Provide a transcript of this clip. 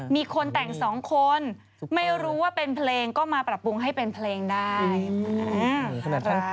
มีคนแต่งสองคนไม่รู้ว่าเป็นเพลงก็มาปรับปรุงให้เป็นเพลงได้